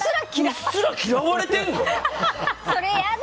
うっすら嫌われるの。